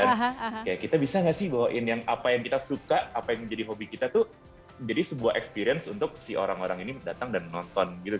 kayak kita bisa enggak sih bawain yang apa yang kita suka apa yang menjadi hobi kita tuh jadi sebuah experience untuk si orang orang ini datang dan menonton gitu